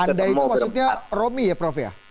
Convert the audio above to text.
anda itu maksudnya romi ya prof ya